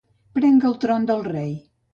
Prenc el tron del rei.